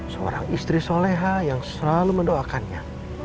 seorang istri soleha yang selalu mendoakannya